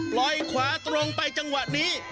ปล่อยขวาตรงไปจังหวะนี้